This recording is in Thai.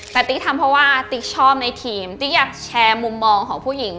แต่ติ๊กทำเพราะว่าติ๊กชอบในทีมติ๊กอยากแชร์มุมมองของผู้หญิง